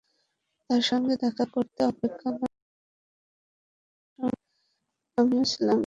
তাঁর সঙ্গে দেখা করতে অপেক্ষমাণ আরও অনেকের সঙ্গে আমিও ছিলাম একজন।